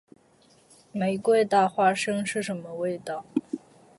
玫瑰大花生是什么味道？